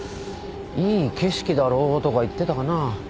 「いい景色だろ」とか言ってたかな。